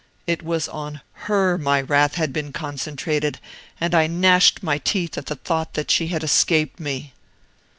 It was on HER my wrath had been concentrated, and I gnashed my teeth at the thought that she had escaped me.